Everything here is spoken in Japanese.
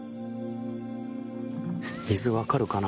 水、分かるかな。